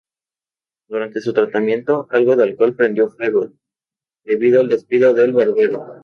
Durante su tratamiento, algo de alcohol prendió fuego, debido al descuido del barbero.